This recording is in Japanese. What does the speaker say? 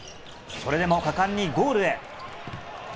それでも果敢にゴールへ。